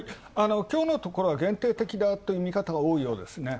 今日のところは限定的という見方が多いようですね。